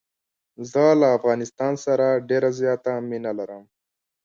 زه له افغانستان سره ډېره زیاته مینه لرم.